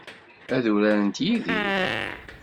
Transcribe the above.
Ad urarent yid-i?